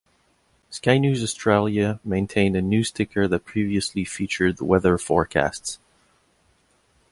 Sky News Australia maintained a news ticker that previously featured weather forecasts.